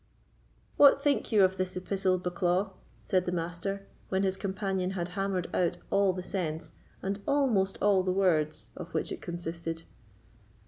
"What think you of this epistle, Bucklaw?" said the Master, when his companion had hammered out all the sense, and almost all the words of which it consisted.